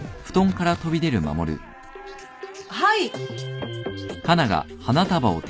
・はい。